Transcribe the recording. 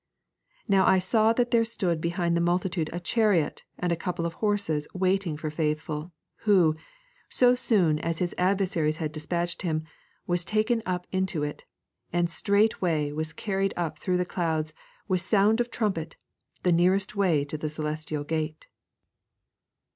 'Now I saw that there stood behind the multitude a chariot and a couple of horses waiting for Faithful, who (so soon as his adversaries had despatched him) was taken up into it, and straightway was carried up through the clouds, with sound of trumpet, the nearest way to the Celestial gate.'